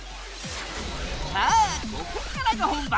さあここからが本番！